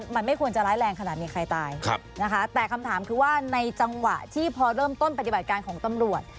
มันไม่ควรจะร้ายแรงขนาดมีใครตายนะคะแต่คำถามคือว่าในจังหวะที่พอเริ่มต้นปฏิบัติการของตำรวจ